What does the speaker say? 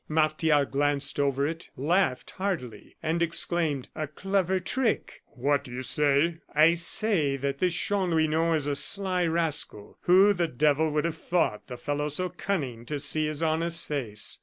Martial glanced over it, laughed heartily, and exclaimed: "A clever trick." "What do you say?" "I say that this Chanlouineau is a sly rascal. Who the devil would have thought the fellow so cunning to see his honest face?